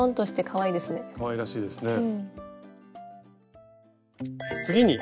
かわいらしいですね。